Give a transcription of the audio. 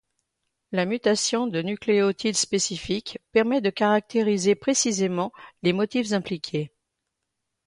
La mutation de nucléotides spécifiques permet de caractériser précisément les motifs impliqués.